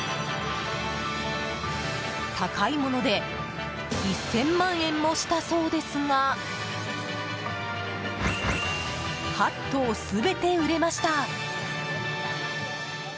高いもので１０００万円もしたそうですが８頭全て売れました。